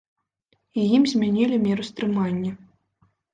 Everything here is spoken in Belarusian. І ім змянілі меру стрымання.